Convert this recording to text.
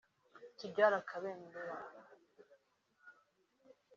Tidjala Kabendera